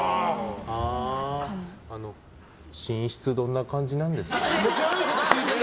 あの寝室どんな感じなんですか？